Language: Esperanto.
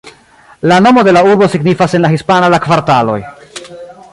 La nomo de la urbo signifas en la hispana "La kvartaloj".